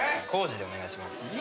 浩二でお願いします。